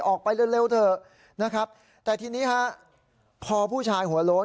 ออกไปเร็วเถอะนะครับแต่ทีนี้ฮะพอผู้ชายหัวโล้น